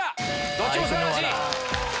どっちも素晴らしい！